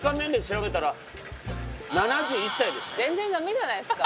全然駄目じゃないですか。